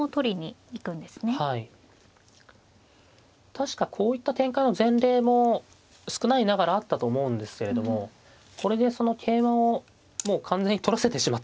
確かこういった展開の前例も少ないながらあったと思うんですけれどもこれでその桂馬をもう完全に取らせてしまって。